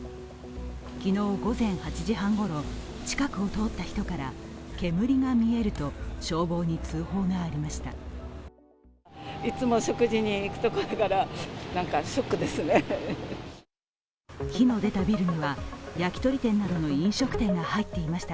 昨日午前８時半ごろ、近くを通った人から煙が見えると消防に通報がありました。